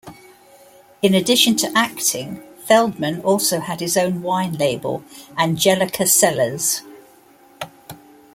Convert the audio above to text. In addition to acting, Feldman also has his own wine label, Angelica Cellars.